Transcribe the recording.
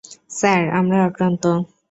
Sir, আমরা আক্রান্ত।